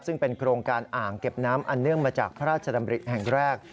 ซึ่งเป็นโครงการอ่างเก็บน้ำอันเนื่องมาจากพระราชดำริแห่งแรก